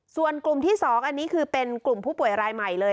ส่วนกลุ่มที่๒อันนี้คือเป็นกลุ่มผู้ป่วยรายใหม่เลย